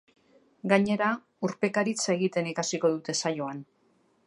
Gainera, urpekaritza egiten ikasiko dute saioan.